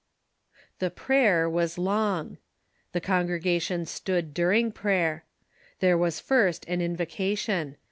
The prayer was long. The congregation stood during prayer. There was first an invocation.